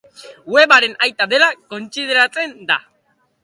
Webaren aita dela kontsideratzen da.